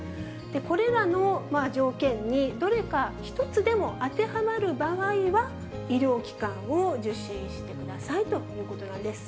これらの条件に、どれか一つでも当てはまる場合は、医療機関を受診してくださいということなんです。